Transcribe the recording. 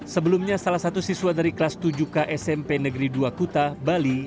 sebelumnya salah satu siswa dari kelas tujuh k smp negeri dua kuta bali